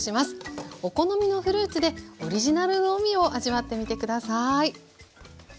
お好みのフルーツでオリジナルの海を味わってみて下さい。